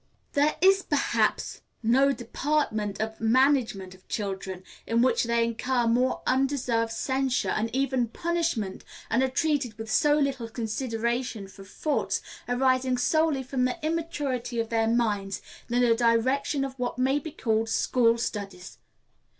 There is, perhaps, no department of the management of children in which they incur more undeserved censure, and even punishment, and are treated with so little consideration for faults arising solely from the immaturity of their minds, than in the direction of what may be called school studies.